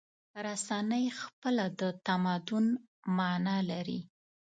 رسنۍ خپله د تمدن معنی لري.